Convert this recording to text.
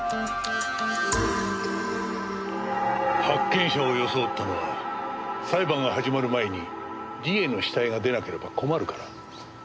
発見者を装ったのは裁判が始まる前に理恵の死体が出なければ困るから。